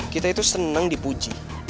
kita itu seneng dipuji